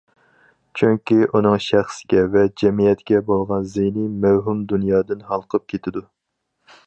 چۈنكى ئۇنىڭ شەخسكە ۋە جەمئىيەتكە بولغان زىيىنى مەۋھۇم دۇنيادىن ھالقىپ كېتىدۇ.